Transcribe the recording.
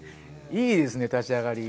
いいですねぇ、立ち上がり。